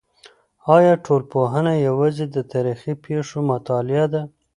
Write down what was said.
آیا ټولنپوهنه یوازې د تاریخي پېښو مطالعه ده؟